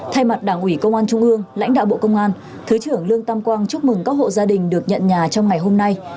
thay mặt đảng ủy công an trung ương lãnh đạo bộ công an thứ trưởng lương tam quang chúc mừng các hộ gia đình được nhận nhà trong ngày hôm nay